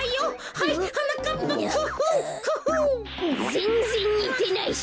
ぜんぜんにてないし！